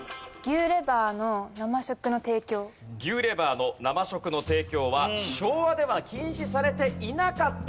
牛レバーの生食の提供は昭和では禁止されていなかったんでしょうか？